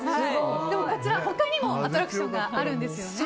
こちら他にもアトラクションがあるんですよね。